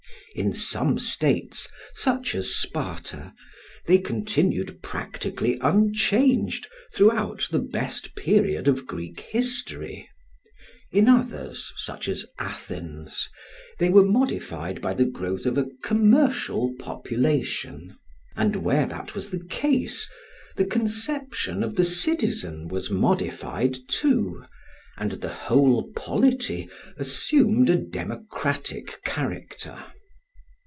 In some states, such as Sparta, they continued practically unchanged throughout the best period of Greek history; in others, such as Athens, they were modified by the growth of a commercial population, and where that was the case the conception of the citizen was modified too, and the whole polity assumed a democratic character.